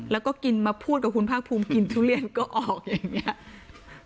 แล้วก็กินมาพูดกับคุณภาคภูมิกินทุเรียนก็ออกอย่างนี้